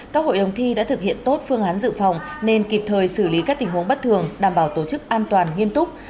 các hội đồng thi đã thực hiện tốt phương án dự phòng nên kịp thời xử lý các tình huống bất thường đảm bảo tổ chức an toàn nghiêm túc